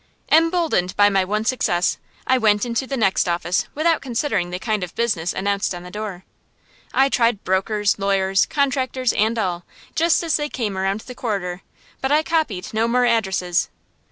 Emboldened by my one success, I went into the next office without considering the kind of business announced on the door. I tried brokers, lawyers, contractors, and all, just as they came around the corridor; but I copied no more addresses.